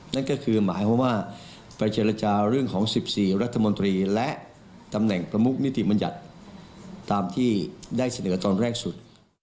นั่นก็คือหมายความว่าไปเจรจาเรื่องของ๑๔รัฐมนตรีและตำแหน่งประมุกนิติบัญญัติตามที่ได้เสนอตอนแรกสุด